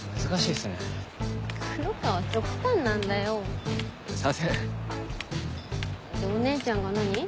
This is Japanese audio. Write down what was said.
でお姉ちゃんが何？